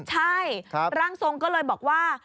ใช่ร่างทรงก็เลยบอกว่า